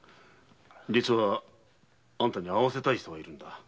実はあんたに会わせたい人がいるんだ。